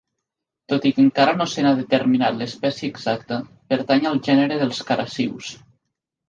Tot i que encara no se n'ha determinat l'espècie exacta, pertany al gènere dels Carassius.